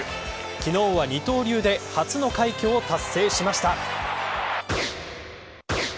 昨日は二刀流で初の快挙を達成しました。